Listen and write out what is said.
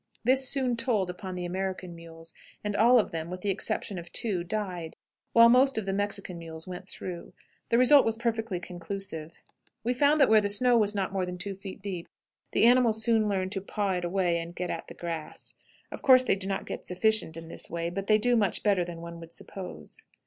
This soon told upon the American mules, and all of them, with the exception of two, died, while most of the Mexican mules went through. The result was perfectly conclusive. We found that, where the snow was not more than two feet deep, the animals soon learned to paw it away and get at the grass. Of course they do not get sufficient in this way, but they do much better than one would suppose.